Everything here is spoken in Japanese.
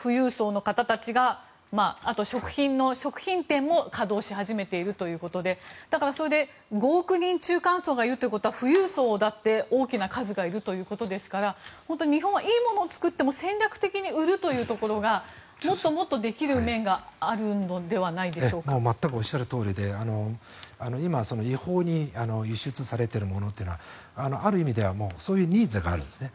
あと、富裕層の方たちが食品店も稼働し始めているということでだから、５億人中間層がいるということは富裕層だって大きな数がいるということですから日本はいいものを作っても戦略的に売るということがもっとできる面が全くおっしゃるとおりで今、違法に輸出されているものというのはある意味ではそういうニーズがあるんです。